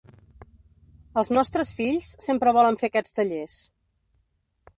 Els nostres fills sempre volen fer aquests tallers.